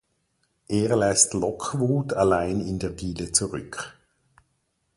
Er lässt Lockwood allein in der Diele zurück.